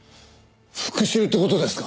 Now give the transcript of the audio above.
復讐って事ですか？